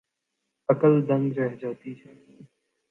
عقل دنگ رہ جاتی ہے۔